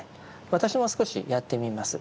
私も少しやってみます。